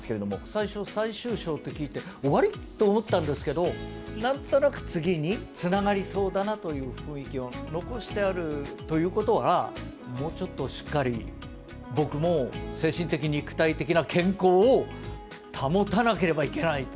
最初、最終章って聞いて、終わり？と思ったんですけど、なんとなく次につながりそうだなという雰囲気を残してあるということは、もうちょっとしっかり僕も、精神的、肉体的な健康を保たなければいけないと。